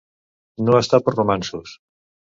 No estar per romanços.